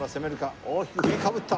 大きく振りかぶった。